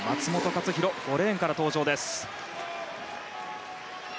克央５レーンから登場です。